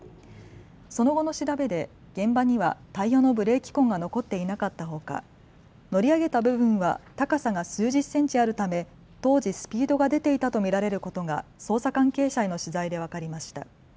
その後の調べで現場にはタイヤのブレーキ痕が残っていなかったほか乗り上げた部分は高さが数十センチあるため当時、スピードが出ていたと見られることが捜査関係者への取材で分かりました。